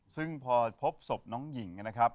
ซึ่งพอพบศพน้องหญิงนะครับ